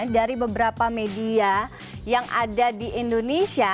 dari beberapa media yang ada di indonesia